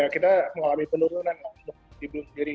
kita mengalami penurunan di bungkiri